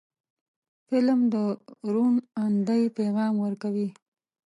فلم د روڼ اندۍ پیغام ورکوي